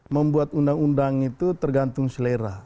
membuat undang undang itu tergantung selera